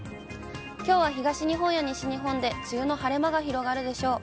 きょうは東日本や西日本で梅雨の晴れ間が広がるでしょう。